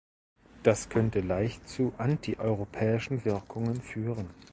Das könnte leicht zu anti-europäischen Wirkungen führen.